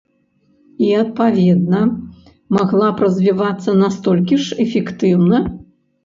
І, адпаведна, магла б развівацца настолькі ж эфектыўна?